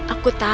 aku tau sih